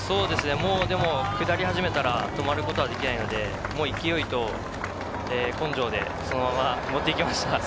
下り始めたら止まることはできないので、もう勢いと根性でそのまま持っていきました。